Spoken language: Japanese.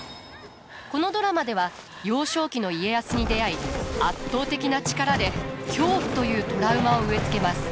このドラマでは幼少期の家康に出会い圧倒的な力で恐怖というトラウマを植え付けます。